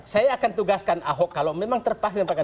saya akan tugaskan ahok kalau memang terpaksa